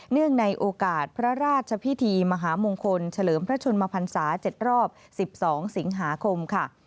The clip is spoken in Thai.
เนื่องในโอกาสพระราชพิธีมหามงคลเฉลิมพระชนมพันศา๗รอบ๑๒สิงหาคมค่ะ